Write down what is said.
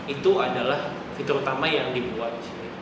itu adalah fitur utama yang dibuat